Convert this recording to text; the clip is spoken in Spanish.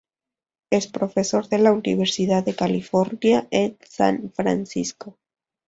Es profesor de la Universidad de California en San Francisco.